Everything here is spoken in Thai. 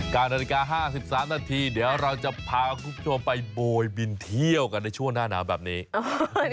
นาฬิกาห้าสิบสามนาทีเดี๋ยวเราจะพาคุณผู้ชมไปโบยบินเที่ยวกันในช่วงหน้าหนาวแบบนี้